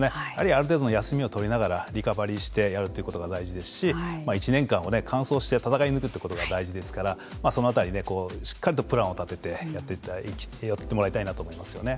ある程度の休みを取りながらリカバリーしてやるということが大事ですし１年間を完走して戦い抜くってことが大事ですからその辺りねしっかりとプランを立ててやってもらいたいなと思いますよね。